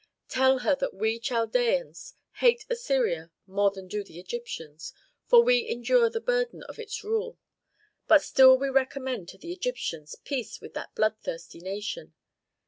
Tell her that we Chaldeans hate Assyria more than do the Egyptians, for we endure the burden of its rule; but still we recommend to the Egyptians peace with that bloodthirsty nation.